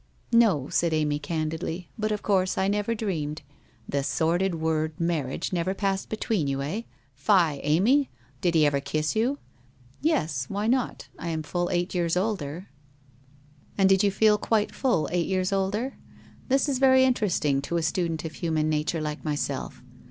' 'No/ said Amy candidly; 'but of course I never dreamed '< n The sordid word marriage never passed between you, eh ? Fie, Amy ! Did he ever kiss you ?'' Yes ; why not ? I am full eight years older.' ' And did you feel quite full eight years older ? This is very interesting to a student of human naturo like myself.